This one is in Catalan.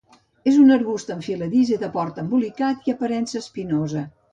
És un arbust enfiladís i de port embolicat i aparença espinosa.